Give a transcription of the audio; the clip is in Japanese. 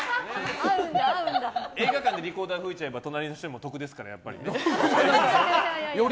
映画館でリコーダー吹いちゃえば隣の人も得ですから。